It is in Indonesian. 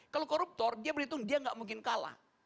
kalau koruptor dia berhitung dia nggak mungkin kalah